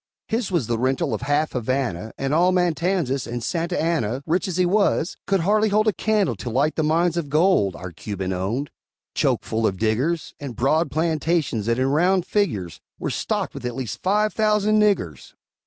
His was the rental of half Havana And all Matanzas; and Santa Anna, Rich as he was, could hardly hold A candle to light the mines of gold Our Cuban owned, choke full of diggers; And broad plantations, that, in round figures, Were stocked with at least five thousand niggers!